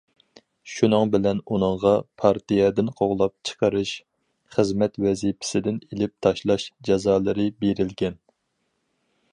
شۇنىڭ بىلەن، ئۇنىڭغا پارتىيەدىن قوغلاپ چىقىرىش، خىزمەت ۋەزىپىسىدىن ئېلىپ تاشلاش جازالىرى بېرىلگەن.